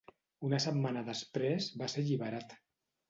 Una setmana després va ser alliberat.